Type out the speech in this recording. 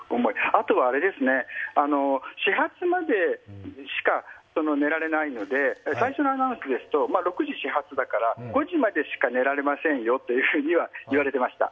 あとは、始発までしか寝られないので、最初のアナウンスですと、６時始発だから５時までしか寝られませんよとは言われていました。